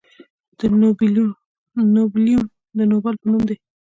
د نوبلیوم د نوبل په نوم دی.